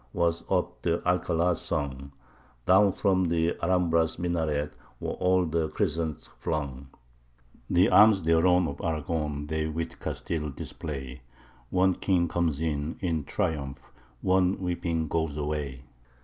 was up the Alcala sung: Down from the Alhambra's minarets were all the crescents flung; The arms thereon of Aragon they with Castile display; One king comes in in triumph one weeping goes away.